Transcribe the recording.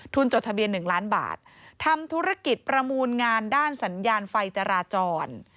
จดทะเบียน๑ล้านบาททำธุรกิจประมูลงานด้านสัญญาณไฟจราจร